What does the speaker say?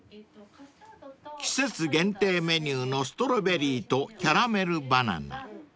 ［季節限定メニューのストロベリーとキャラメルバナナ］